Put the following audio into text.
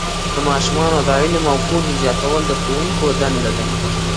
د ماشومانو د علم او پوهې زیاتول د ښوونکو دنده ده.